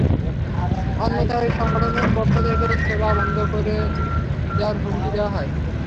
অন্যথায় সংগঠনের পক্ষ থেকে সেবা বন্ধ করে দেওয়ার হুমকিও দেওয়া হয়।